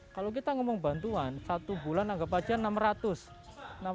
kalau kita ngomong bantuan satu bulan anggap aja rp enam ratus